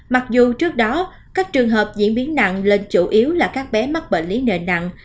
mặc dù trước đó các trường hợp diễn biến nặng lên chủ yếu là các bé mắc bệnh lý nền nặng